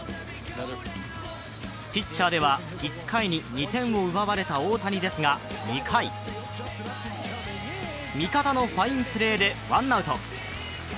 ピッチャーでは１回に２点を奪われた大谷ですが、２回、味方のファインプレーでワンアウト。